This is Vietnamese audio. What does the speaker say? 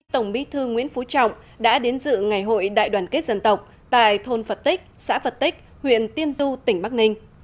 tổng bí thư nguyễn phú trọng đã đến dự ngày hội đại đoàn kết dân tộc tại thôn phật tích xã phật tích huyện tiên du tỉnh bắc ninh